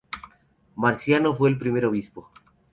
Marciano fue el primer obispo.